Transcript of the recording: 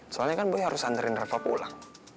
soalnya kan boy harus nganterin reva pulang